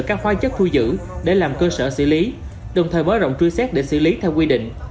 các khoai chất thu dự để làm cơ sở xử lý đồng thời mới rộng truy xét để xử lý theo quy định